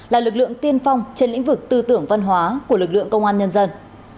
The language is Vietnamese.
là lực lượng tiên phong trên lĩnh vực tư tưởng văn hóa của lực lượng công an nhân dân